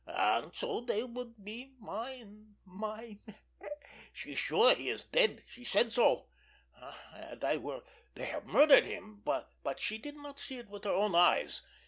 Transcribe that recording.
And so they would be mine—mine. She's sure he is dead. She said so—that they murdered him. But she did not see it with her own eyes.